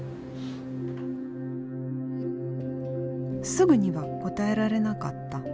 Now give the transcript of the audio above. すぐには答えられなかった。